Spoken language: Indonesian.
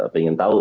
thank you pak mam